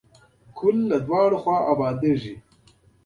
هغوی په خپلو مزایلو د غزنوي نوم کېښود چې دا یو تناقض دی.